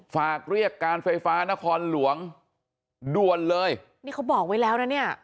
ฝากเรียกการไฟฟ้านครหลวงด่วนเลยนี่เขาบอกไว้แล้วนะเนี่ย